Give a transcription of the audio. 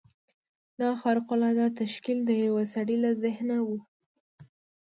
دغه خارق العاده تشکیل د یوه سړي له ذهنه و